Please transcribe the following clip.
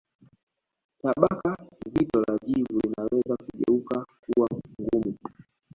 Tabaka zito la jivu linaweza kugeuka kuwa ngumu